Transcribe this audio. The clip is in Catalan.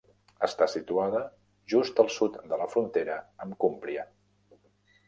Està situada just al sud de la frontera amb Cúmbria.